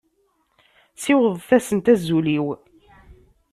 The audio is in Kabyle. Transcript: Siwḍet-asent azul-iw.